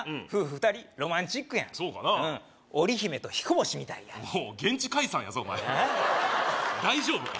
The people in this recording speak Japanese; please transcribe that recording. ２人ロマンチックやんそうかな織り姫とひこ星みたいやん現地解散やぞお前大丈夫か？